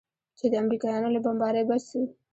چې د امريکايانو له بمبارۍ بچ سو.